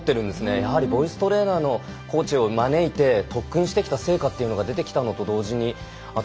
やはりボイストレーナーのコーチを招いて特訓してきた成果というのが出てきたのと同時にあと